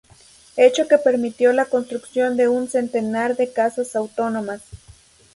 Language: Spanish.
Hecho que permitió la construcción de un centenar de casas autónomas.